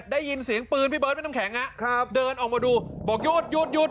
ได้ยินเสียงปืนพี่เบิ้ลพี่น้ำแข็งน่ะครับเดินออกมาดูบอกหยุดหยุดหยุด